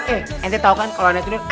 eh ente tau kan kalau ada itu nih